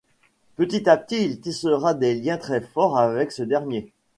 Petit à petit, il tissera des liens très forts avec ce dernier.